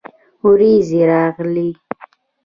ورېځې راغلې